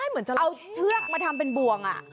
เอาเสื้อกมาทำเป็นบวง